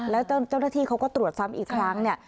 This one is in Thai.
แล้วเจ้าหน้าที่เขาก็ตรวจซ้ำอีกครั้งเนี่ย